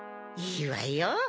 いいわよ